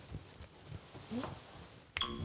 うん？